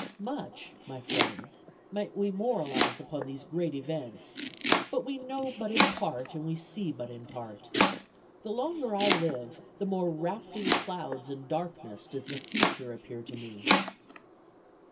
Much, my friends, might we moralize upon these great events, but we know but in part and we see but in part. The longer I live, the more wrapt in clouds and darkness does the future appear to me."